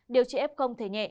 điều trị f thể nhẹ